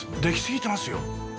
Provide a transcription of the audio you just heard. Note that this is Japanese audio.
出来すぎてますよ！